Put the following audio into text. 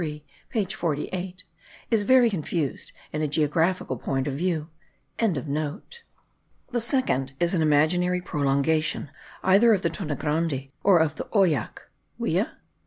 1553 page 48, is very confused in a geographical point of view.) The second is an imaginary prolongation either of the Tonnegrande or of the Oyac (Wia?).